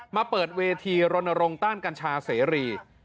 มาเปิดเวทีรณรงค์ต้านกัญชาเสรี